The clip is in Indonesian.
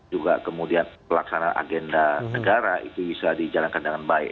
juga kemudian pelaksanaan agenda negara itu bisa dijalankan dengan baik